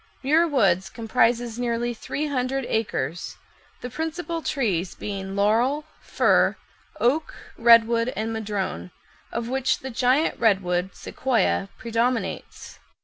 Muir Woods comprises nearly three hundred acres, the principal trees being laurel, fir, oak, redwood, and madrone, of which the giant redwood (Sequoia) predominates.